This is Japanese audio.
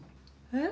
えっ？